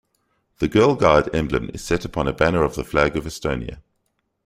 The Girl Guide emblem is set upon a banner of the flag of Estonia.